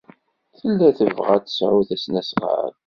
Tella tebɣa ad tesɛu tasnasɣalt.